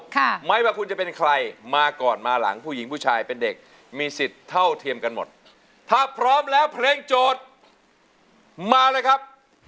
ค่ะไม่ว่าคุณจะเป็นใครมาก่อนมาหลังผู้หญิงผู้ชายเป็นเด็กมีสิทธิ์เท่าเทียมกันหมดถ้าพร้อมแล้วเพลงโจทย์มาเลยครับ